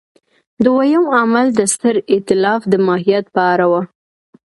دویم عامل د ستر اېتلاف د ماهیت په اړه و.